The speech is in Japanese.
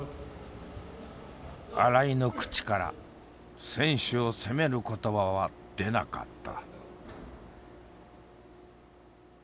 新井の口から選手を責める言葉は出なかった。